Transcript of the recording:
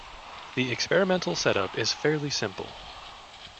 The experimental setup is fairly simple.